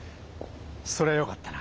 そりゃよかったな。